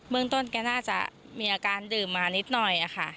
เมืองต้นแกน่าจะมีอาการดื่มมานิดหน่อยค่ะ